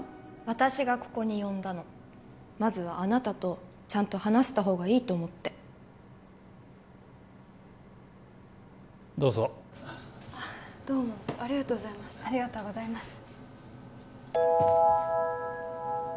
私がここに呼んだのまずはあなたとちゃんと話したほうがいいと思ってどうぞどうもありがとうございますありがとうございます